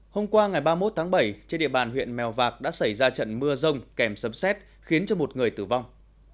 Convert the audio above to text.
hôm qua ngày ba mươi một tháng bảy trên địa bàn huyện mèo vạc đã xảy ra trận mưa rông kèm sấm xét khiến cho một người tử vong